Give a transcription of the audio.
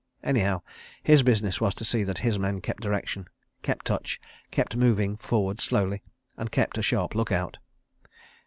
... Anyhow, his business was to see that his men kept direction, kept touch, kept moving forward slowly, and kept a sharp look out.